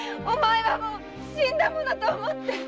お前はもう死んだものと思って。